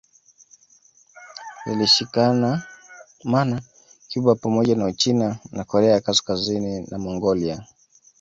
Zilishikamana Cuba pamoja na Uchina na Korea ya Kaskazini na Mongolia